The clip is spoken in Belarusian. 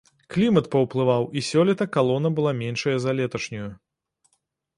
Клімат паўплываў, і сёлета калона была меншая за леташнюю.